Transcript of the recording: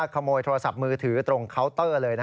ขโมยโทรศัพท์มือถือตรงเคาน์เตอร์เลย